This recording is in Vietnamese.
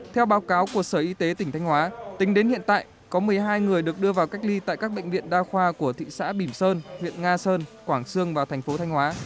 theo báo cáo của sở y tế tỉnh thanh hóa tính đến hiện tại có một mươi hai người được đưa vào cách ly tại các bệnh viện đa khoa của thị xã bỉm sơn huyện nga sơn quảng sương và thành phố thanh hóa